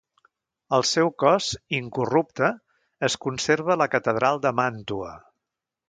El seu cos, incorrupte, es conserva a la catedral de Màntua.